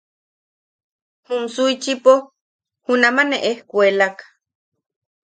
Jum Suichipo junama ne ejkuelak.